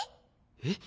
えっ？